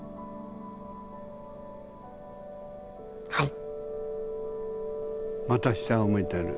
はい。